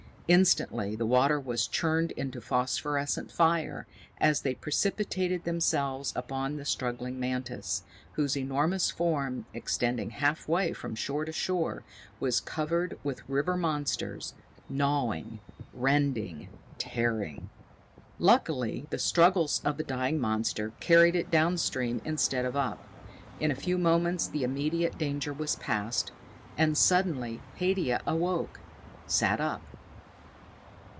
Instantly the water was churned into phosphorescent fire as they precipitated themselves upon the struggling mantis, whose enormous form, extending halfway from shore to shore, was covered with the river monsters, gnawing, rending, tearing. Luckily the struggles of the dying monster carried it downstream instead of up. In a few moments the immediate danger was past. And suddenly Haidia awoke, sat up.